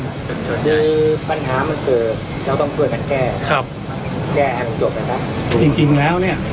ปัญหามันเกิดแล้วต้องช่วยกันแก้ครับแก้อันจบนะคะจริงจริงแล้วเนี้ย